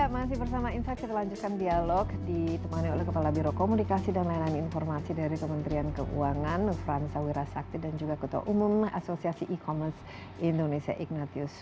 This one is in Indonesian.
masih bersama insight kita lanjutkan dialog ditemani oleh kepala biro komunikasi dan lainan informasi dari kementerian keuangan nufransa wirasakti dan juga ketua umum asosiasi e commerce indonesia ignatius